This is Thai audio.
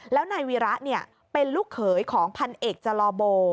แล้วนายวีระเป็นลูกเขยของพันเอกจลอโบ